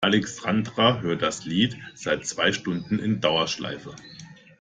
Alexandra hört das Lied seit zwei Stunden in Dauerschleife.